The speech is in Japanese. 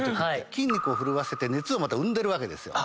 筋肉を震わせて熱をまた生んでるわけですよ。